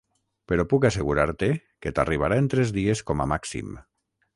Però puc assegurar-te que t'arribarà en tres dies com a màxim.